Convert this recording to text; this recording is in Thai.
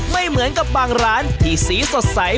ไม่เหมือนกับบางร้านที่สีสดใส